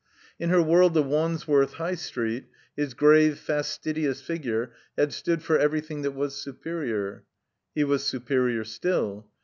In her world of Wandsworth High Street his grave, fastidious figure had stood for everything that was superior. He was superior still.